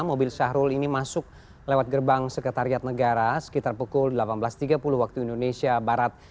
mobil syahrul ini masuk lewat gerbang sekretariat negara sekitar pukul delapan belas tiga puluh waktu indonesia barat